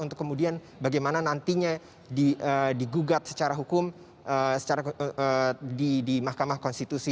jadi bagaimana nantinya digugat secara hukum secara di mahkamah konstitusi